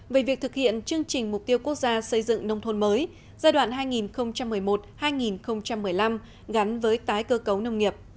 về việc thực hiện chương trình mục tiêu quốc gia xây dựng nông thôn mới giai đoạn hai nghìn một mươi một hai nghìn một mươi năm gắn với tái cơ cấu nông nghiệp